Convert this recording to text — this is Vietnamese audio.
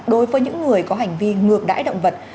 đối với những người có hành vi ngược đáy động vật